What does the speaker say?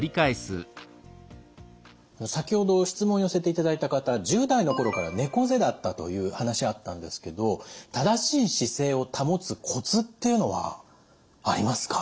先ほど質問を寄せていただいた方１０代の頃から猫背だったという話あったんですけど正しい姿勢を保つコツっていうのはありますか？